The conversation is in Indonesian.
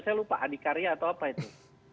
saya lupa adik karya atau apa itu